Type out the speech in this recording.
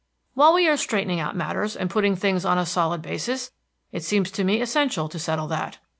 "While we are straightening out matters and putting things on a solid basis, it seems to me essential to settle that.